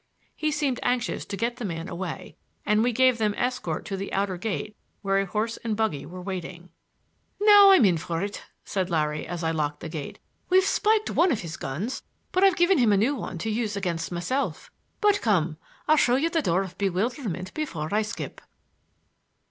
He seemed anxious to get the man away, and we gave them escort to the outer gate where a horse and buggy were waiting. "Now, I'm in for it," said Larry, as I locked the gate. "We've spiked one of his guns, but I've given him a new one to use against myself. But come, and I will show you the Door of Bewilderment before I skip."